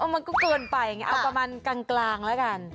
มันก็เกินไปไงเอาประมาณกลางแล้วกัน